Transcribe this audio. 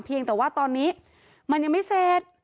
เพียงแต่ว่าตอนนี้มันยังไม่เสร็จ